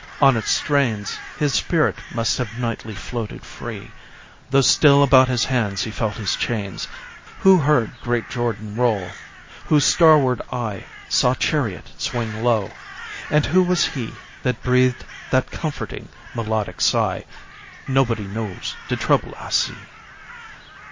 On its strains His spirit must have nightly floated free, Though still about his hands he felt his chains. Who heard great "Jordan roll"? Whose starward eye Saw chariot "swing low"? And who was he That breathed that comforting, melodic sigh, "Nobody knows de trouble I see"?